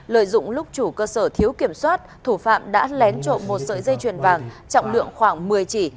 lợi dụng lúc chủ cơ sở thiếu kiểm soát thủ phạm đã lén trộm một sợi dây chuyền vàng trọng lượng khoảng một mươi chỉ